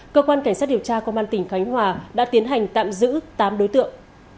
cơ quan cảnh sát điều tra công an tỉnh khánh hòa đã tiến hành tạm giữ tám đối tượng